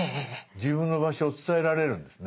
自分の場所を伝えられるんですね。